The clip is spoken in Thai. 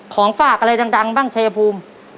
ของฝากอะไรดังบ้างชัยภูมิ